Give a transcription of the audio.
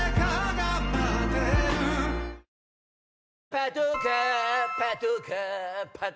パトカーパトカーパト。